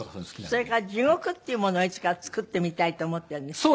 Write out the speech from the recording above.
それから地獄っていうものをいつか作ってみたいって思ってるんですって？